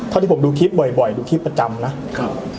เมื่อที่ผมดูคลิปบ่อยบ่อยดูคลิปประจำนะครับ